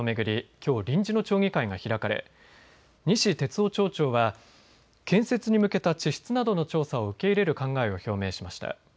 きょう臨時の町議会が開かれ西哲夫町長は建設に向けた地質などの調査を受け入れる考えを表明しました。